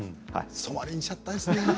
そまりんしゃったですね。